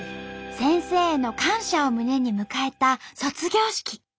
先生への感謝を胸に迎えた卒業式。